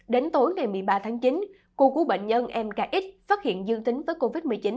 đến tối ngày một mươi ba tháng chín khu cứu bệnh nhân mkx phát hiện dương tính với covid một mươi chín